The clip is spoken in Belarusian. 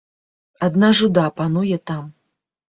Адна жуда пануе там.